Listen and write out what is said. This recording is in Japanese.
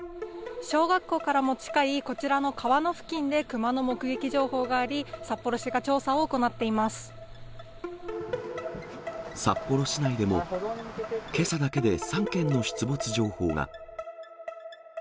小学校からも近い、こちらの川の付近でクマの目撃情報があり、札幌市が調査を行って札幌市内でも、けさだけで３件の出没情報が。